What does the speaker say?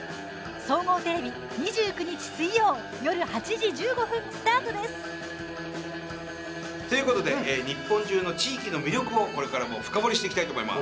総合テレビ、２９日水曜夜８時１５分スタートです！ということで日本中の地域の魅力をこれからも深掘りしていきたいと思います！